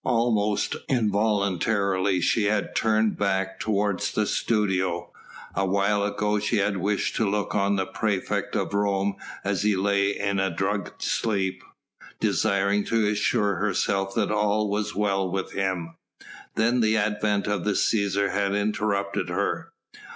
Almost involuntarily she had turned back toward the studio. A while ago she had wished to look on the praefect of Rome as he lay in a drugged sleep, desiring to assure herself that all was well with him; then the advent of the Cæsar had interrupted her.